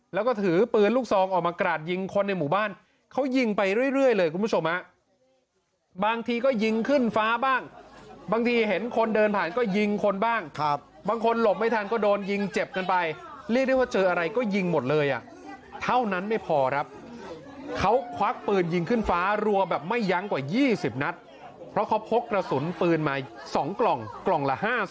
แล้วก็ถือปืนลูกซองออกมากราดยิงคนในหมู่บ้านเขายิงไปเรื่อยเลยคุณผู้ชมฮะบางทีก็ยิงขึ้นฟ้าบ้างบางทีเห็นคนเดินผ่านก็ยิงคนบ้างบางคนหลบไม่ทันก็โดนยิงเจ็บกันไปเรียกได้ว่าเจออะไรก็ยิงหมดเลยอ่ะเท่านั้นไม่พอครับเขาควักปืนยิงขึ้นฟ้ารัวแบบไม่ยั้งกว่า๒๐นัดเพราะเขาพกกระสุนปืนมา๒กล่องกล่องละ๕๐